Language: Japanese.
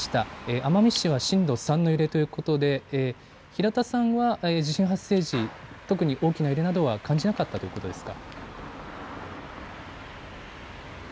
奄美市は震度３の揺れということで平田さんは地震発生時、特に大きな揺れなどは感じなかったということですか。